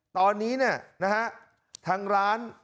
ตอนนี้นะฮะทางร้าน